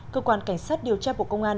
cơ quan cảnh sát điều tra bộ công an